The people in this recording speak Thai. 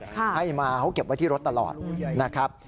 ให้มาเขาเก็บไว้ที่รถตลอดนะครับ